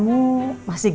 aku juga gak pernah menikah